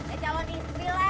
eh calon istri lah